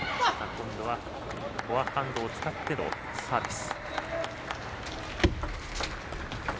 今度はフォアハンドを使ってのサービス。